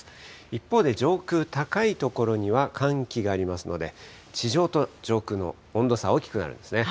一方で上空高い所には寒気がありますので、地上と上空の温度差、大きくなるんですね。